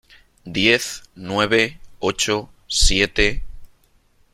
Diez , nueve , ocho , siete ...